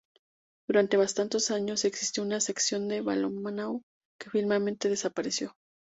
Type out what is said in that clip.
Durante bastantes años existió una sección de balonmano que finalmente desapareció.